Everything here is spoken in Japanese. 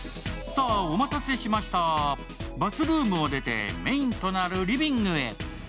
お待たせしました、バスルームを出てメーンとなるリビングへ。